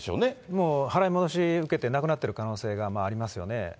もう払い戻し受けてなくなってる可能性がありますよね。